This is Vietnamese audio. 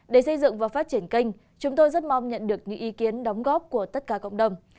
để xây dựng và phát triển kênh chúng tôi rất mong nhận được những ý kiến đóng góp của tất cả cộng đồng